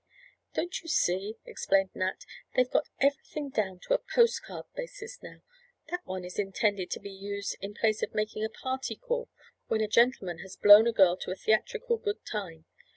"Don't you see," explained Nat, "they've got everything down to a post card basis now. That one is intended to be used in place of making a party call when a gentleman has blown a girl to a theatrical good time.